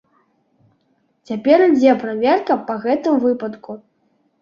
Цяпер ідзе праверка па гэтым выпадку.